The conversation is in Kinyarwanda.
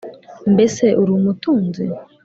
Mbese uri umutunzi